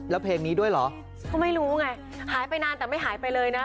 แล้วเพลงนี้ด้วยเหรอก็ไม่รู้ไงหายไปนานแต่ไม่หายไปเลยนะ